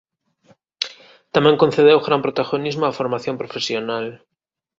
Tamén concedeu gran protagonismo á Formación Profesional.